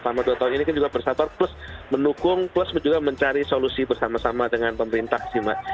selama dua tahun ini kan juga bersatuan plus mendukung plus juga mencari solusi bersama sama dengan pemerintah sih mbak